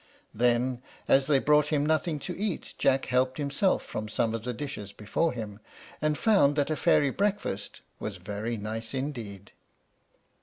Then, as they brought him nothing to eat, Jack helped himself from some of the dishes before him, and found that a fairy breakfast was very nice indeed.